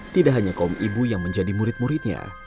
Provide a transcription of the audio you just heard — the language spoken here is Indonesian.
tidak hanya kaum ibu yang menjadi murid muridnya